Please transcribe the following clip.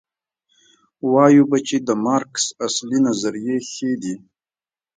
وایو به چې د مارکس اصلي نظریې ښې دي.